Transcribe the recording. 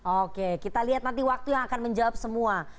oke kita lihat nanti waktu yang akan menjawab semua